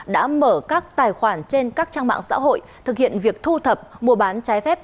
đã mở các tài khoản trên các trang mạng xã hội thực hiện việc thu thập mua bán trái phép